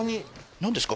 何ですか？